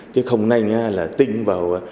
chứ không nên là tin vào